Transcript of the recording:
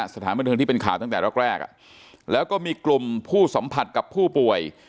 สถานบันเทิงที่เป็นข่าวตั้งแต่แรกแล้วก็มีกลุ่มผู้สัมผัสกับผู้ป่วย